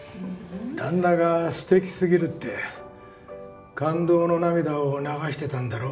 旦那が素敵すぎるって感動の涙を流してたんだろ。